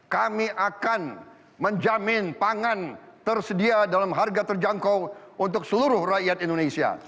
kami akan menjamin pangan tersedia dalam harga terjangkau untuk seluruh rakyat indonesia